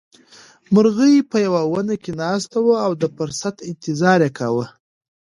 مرغۍ په یوه ونه کې ناسته وه او د فرصت انتظار یې کاوه.